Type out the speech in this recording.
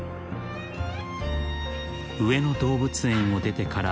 ［上野動物園を出てから］